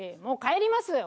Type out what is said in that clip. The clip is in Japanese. もう帰ります。